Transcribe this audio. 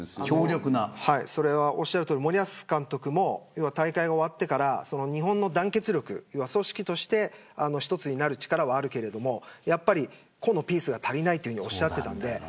それはおっしゃるとおりで森保監督も大会が終わってから日本の団結力は組織として一つになる力はあるけれど個のピースが足りないとおっしゃってました。